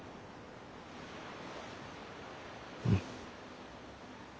うん。